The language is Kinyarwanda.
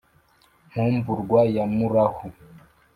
nkumburwa ya murahu